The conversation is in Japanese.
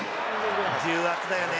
「重圧だよね」